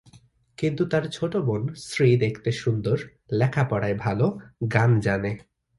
কিন্তু তার ছোট বোন শ্রী দেখতে সুন্দর, লেখাপড়ায় ভালো, গান জানে।